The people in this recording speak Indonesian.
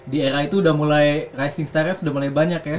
di era itu udah mulai rising starnya sudah mulai banyak ya